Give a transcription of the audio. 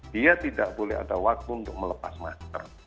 dia tidak boleh ada waktu untuk melepas masker